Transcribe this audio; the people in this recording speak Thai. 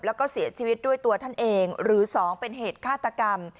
แล้วก็เสียชีวิตด้วยตัวท่านเองหรือ๒เป็นเหตุฆาตกรรม